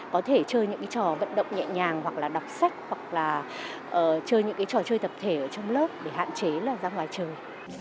có thể chơi những cái trò vận động nhẹ nhàng hoặc là đọc sách hoặc là chơi những cái trò chơi tập thể ở trong lớp để hạn chế là ra ngoài trời